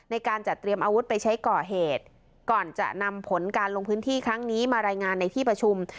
ในการจัดเตรียมอาวุธไปใช้ก่อเหตุก่อนจะนำผลการลงพื้นที่ครั้งนี้มารายงานในที่ประชุม